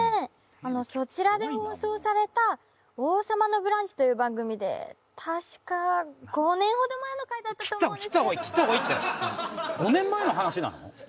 あのそちらで放送された「王様のブランチ」という番組で確か５年ほど前の回だったと思うんですけど切った方がいい切った方がいいって５年前の話なの？